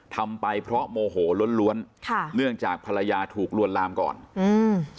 ทำไปเพราะโมโหล้วนล้วนค่ะเนื่องจากภรรยาถูกลวนลามก่อนอืม